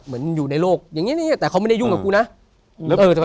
เหมือนอยู่ในโลกอย่างเงี้ยแต่เขาไม่ได้ยุ่งกับกูนะเออแต่